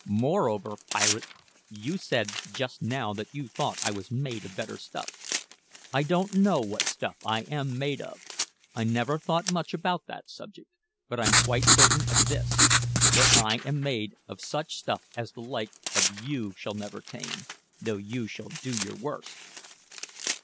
Moreover, pirate, you said just now that you thought I was made of better stuff. I don't know what stuff I am made of I never thought much about that subject; but I'm quite certain of this that I am made of such stuff as the like of you shall never tame, though you should do your worst!"